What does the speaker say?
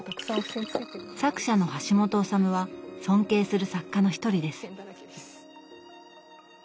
作者の橋本治は尊敬する作家の一人です。